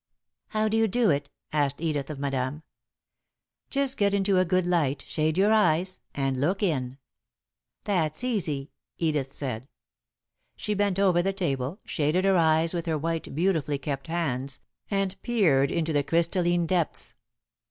"How do you do it?" asked Edith, of Madame. "Just get into a good light, shade your eyes, and look in." "That's easy," Edith said. She bent over the table, shaded her eyes with her white, beautifully kept hands, and peered into the crystalline depths.